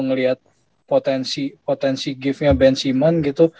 ngeliat potensi giftnya ben simmons gitu